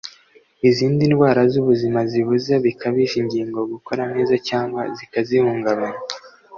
izindi ndwara z’ ubuzima zibuza bikabije ingingo gukora neza cyangwa zikazihungabanya.